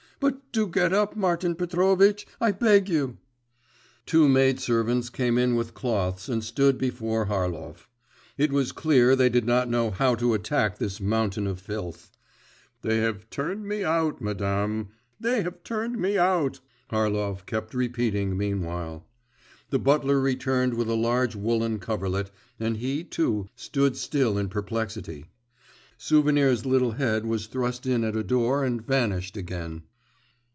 'But do get up, Martin Petrovitch, I beg you!' Two maid servants came in with cloths and stood still before Harlov. It was clear they did not know how to attack this mountain of filth. 'They have turned me out, madam, they have turned me out!' Harlov kept repeating meanwhile. The butler returned with a large woollen coverlet, and he, too, stood still in perplexity. Souvenir's little head was thrust in at a door and vanished again.